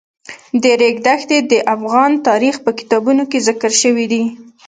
د ریګ دښتې د افغان تاریخ په کتابونو کې ذکر شوی دي.